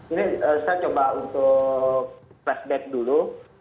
ini saya coba untuk flashback dulu